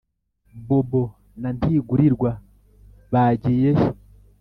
Bobo na Ntigurirwa bagiye he